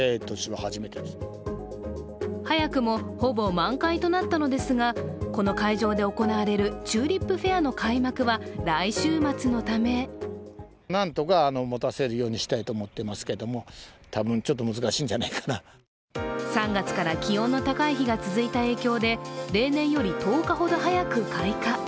早くもほぼ満開となったのですがこの会場で行われるチューリップフェアの開幕は来週末のため３月から気温の高い日が続いた影響で例年より１０日ほど早く開花。